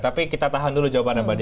tapi kita tahan dulu jawabannya mady